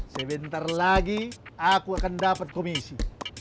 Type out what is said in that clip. sebentar lagi aku akan dapat komisi